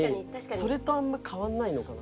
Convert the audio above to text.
それとあんまり変わらないのかな。